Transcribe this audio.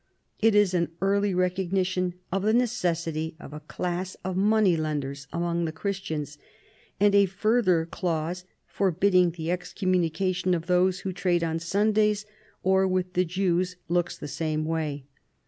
It is an early recogni tion of the. necessity of a class of money lenders among Christians ; and a further clause forbidding the excom munication of those who trade on Sundays or with the Jews looks the same way.